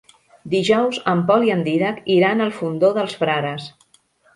Dijous en Pol i en Dídac iran al Fondó dels Frares.